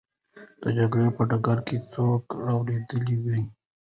د جګړې په ډګر کې څوک رالوېدلی وو؟